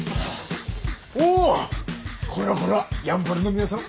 おこれはこれはやんばるの皆さん